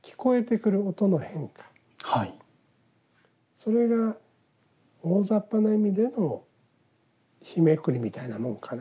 それが大ざっぱな意味での日めくりみたいなもんかな。